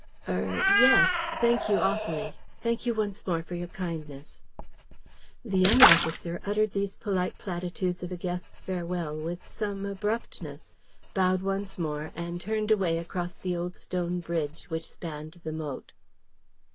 "Er yes. Thank you awfully. Thank you once more for your kindness." The young officer uttered these polite platitudes of a guest's farewell with some abruptness, bowed once more, and turned away across the old stone bridge which spanned the moat.